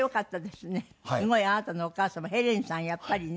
すごいあなたのお母様ヘレンさんやっぱりね。